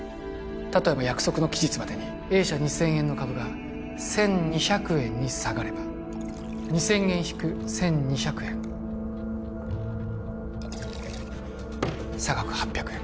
例えば約束の期日までにＡ社２０００円の株が１２００円に下がれば２０００円引く１２００円差額８００円